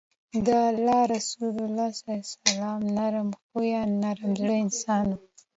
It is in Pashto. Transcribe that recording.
د الله رسول صلی الله عليه وسلّم نرم خويه، نرم زړی انسان وو